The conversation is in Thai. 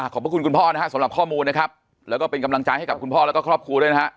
ขอบคุณคุณพ่อนะฮะสำหรับข้อมูลนะครับแล้วก็เป็นกำลังใจให้กับคุณพ่อแล้วก็ครอบครัวด้วยนะฮะ